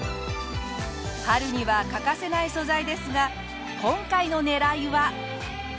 春には欠かせない素材ですが今回の狙いは。